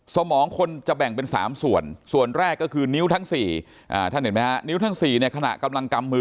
สมองคนจะแบ่งเป็น๓ส่วนส่วนแรกก็คือนิ้วทั้ง๔ท่านเห็นไหมฮะนิ้วทั้ง๔เนี่ยขณะกำลังกำมือ